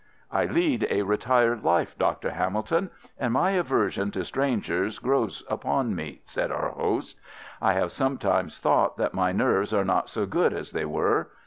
"I lead a retired life, Dr. Hamilton, and my aversion to strangers grows upon me," said our host. "I have sometimes thought that my nerves are not so good as they were.